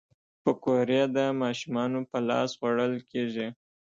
پکورې د ماشومانو په لاس خوړل کېږي